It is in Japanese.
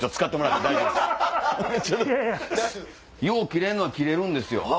よう切れるのは切れるんですよ。